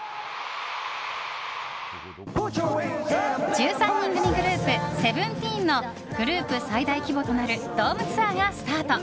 １３人組グループＳＥＶＥＮＴＥＥＮのグループ最大規模となるドームツアーがスタート！